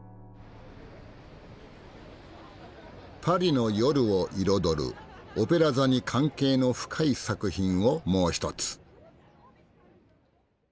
パリの夜を彩るオペラ座に関係の深い作品をもう一つ。